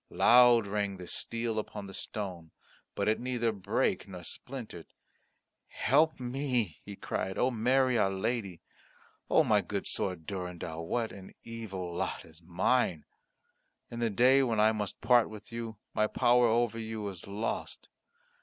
Loud rang the steel upon the stone; but it neither brake nor splintered. "Help me," he cried, "O Mary, our Lady. O my good sword, my Durendal, what an evil lot is mine! In the day when I must part with you, my power over you is lost.